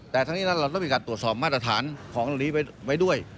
แต่ทั้งนี้นั้นเราต้องมีการตรวจสอบมาตรฐานของเหล่านี้ไว้ด้วย